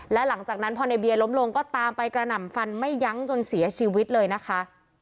และหลังจากนั้นพอในเบียร์ล้มลงก็ตามไปกระหน่ำฟันไม่ยั้งจนเสียชีวิตเลยนะคะ